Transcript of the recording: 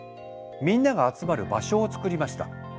みんなが集まる場所を作りました。